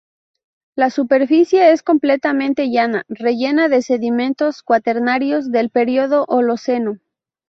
La superficie es completamente llana, rellena de sedimentos cuaternarios del período holoceno.